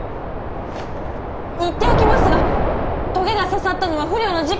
言っておきますが棘が刺さったのは不慮の事故で。